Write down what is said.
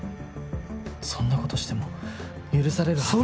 そんな事しても許されるはず。